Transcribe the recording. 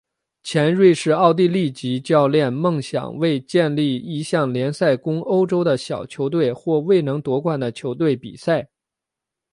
前瑞士奥地利籍教练梦想为建立一项联赛供欧洲的小球队或未能夺冠的球队比赛。